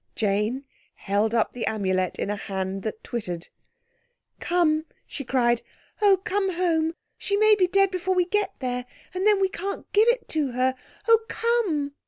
Jane held up the Amulet in a hand that twittered. "Come!" she cried, "oh, come home! She may be dead before we get there, and then we can't give it to her. Oh, come!"